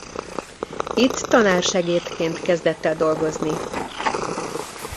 Itt tanársegédként kezdett el dolgozni.